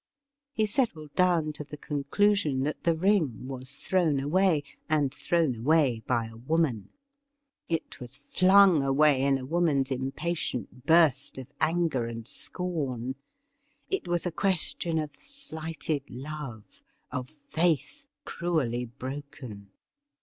He settled down to the conclusion that the ring was thrown away, and thrown away by a woman. It was flung away in a woman's impatient burst of anger and scorn. It was a question of slighted love — of faith cruelly broken.